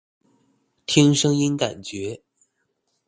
聽聲音感覺